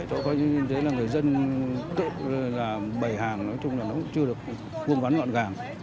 tôi coi như thế là người dân bày hàng nói chung là nó cũng chưa được vùng vắn ngọn gàng